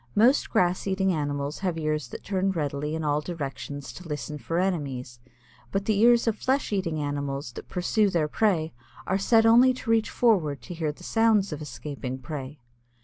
Most grass eating animals have ears that turn readily in all directions to listen for enemies, but the ears of flesh eating animals that pursue their prey are set only to reach forward to hear the sounds of escaping prey.